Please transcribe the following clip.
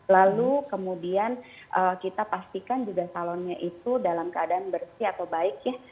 lalu kemudian kita pastikan juga salonnya itu dalam keadaan bersih atau baik ya